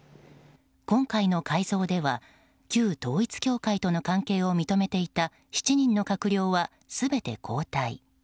今回の改造では旧統一教会との関係を認めていた７人の閣僚は全て交代。